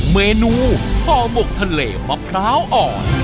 เมนูห่อหมกทะเลมะพร้าวอ่อน